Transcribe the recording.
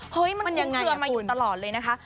เฮ้ยมันยังเตือนมาอยู่ตลอดเลยนะคะ